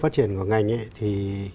phát triển của ngành ấy thì